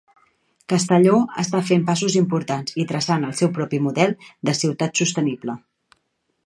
Castelló està fent passos importants i traçant el seu propi model de ciutat sostenible.